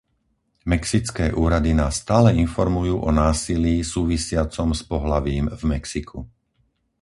Mexické úrady nás stále informujú o násilí súvisiacom s pohlavím v Mexiku.